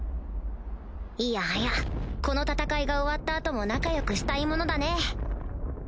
いやはやこの戦いが終わった後も仲良くしたいものだね